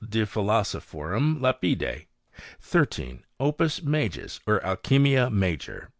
De Philosophorum Lapide. 13. Opus Majus, or Alchymia Major.